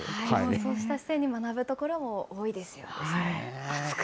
そうした姿勢に学ぶところも多いですよね。